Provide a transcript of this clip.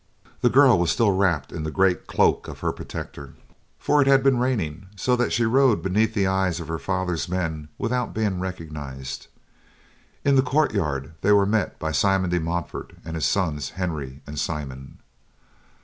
The girl was still wrapped in the great cloak of her protector, for it had been raining, so that she rode beneath the eyes of her father's men without being recognized. In the courtyard, they were met by Simon de Montfort, and his sons Henry and Simon.